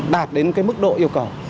đạt đến cái mức độ yêu cầu